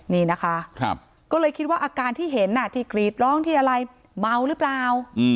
นี่นะคะก็เลยคิดว่าอาการที่เห็นที่กรีดร้องที่อะไรเมาหรือเปล่า